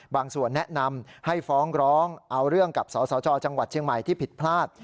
ส่วนแนะนำให้ฟ้องร้องเอาเรื่องกับสสจจังหวัดเชียงใหม่ที่ผิดพลาด